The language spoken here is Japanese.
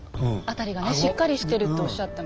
辺りがねしっかりしてるっておっしゃってましたね。